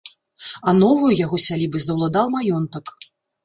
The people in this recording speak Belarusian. А новаю яго сялібай заўладаў маёнтак.